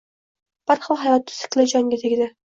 Bir xil hayot sikli jonga tegdi.